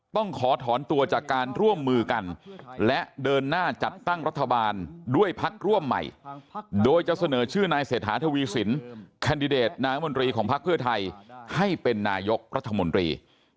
ต้องขอถอนตัวจากการร่วมมือกันและเดินหน้าจัดตั้งรัฐบาลด้วยพักร่วมใหม่โดยจะเสนอชื่อนายเศรษฐาทวีสินแคนดิเดตนายมนตรีของพักเพื่อไทยให้เป็นนายกรัฐมนตรี